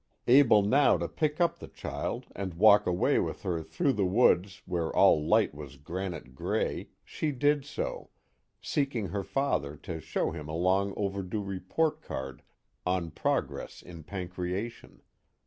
Able now to pick up the child and walk away with her through the woods where all light was granite gray, she did so, seeking her father to show him a long overdue report card on progress in pancreation.